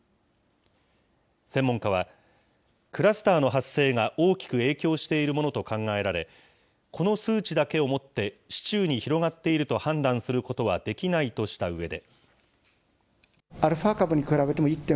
専門家は、クラスターの発生が大きく影響しているものと考えられ、この数値だけをもって、市中に広がっていると判断することはできないとしたうえで。